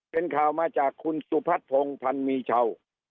เป็นข่าวมาจากคุณสุพัฒน์พงศ์พันมีเช่า